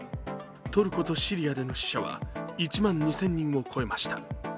トルコとシリアでの死者は１万２０００人を超えました。